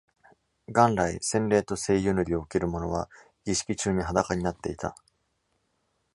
元来、洗礼と聖油塗りを受ける者は、儀式中に裸になっていた。